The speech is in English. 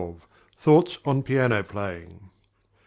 THOUGHTS ON PIANO PLAYING.